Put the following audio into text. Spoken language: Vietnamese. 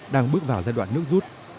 đang bước vào giai đoạn nước rút